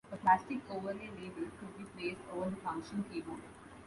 A plastic overlay label could be placed over the function keyboard.